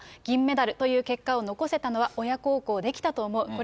銀メダルという結果を残せたのは、親孝行できたと思う。